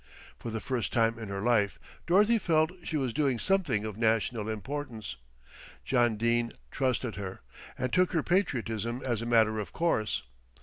For the first time in her life Dorothy felt she was doing something of national importance. John Dene trusted her, and took her patriotism as a matter of course.